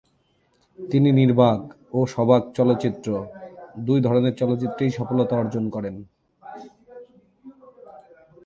তিনি নির্বাক ও সবাক চলচ্চিত্র, দুই ধরনের চলচ্চিত্রেই সফলতা অর্জন করেন।